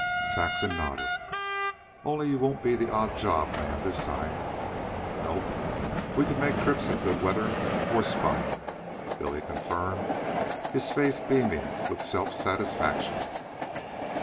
Saxon nodded. "Only you won't be the odd job man this time." "Nope. We can make trips in good weather horse buyin'," Billy confirmed, his face beaming with self satisfaction.